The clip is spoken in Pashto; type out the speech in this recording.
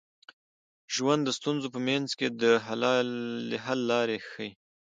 ژوند د ستونزو په منځ کي د حل لارې ښيي.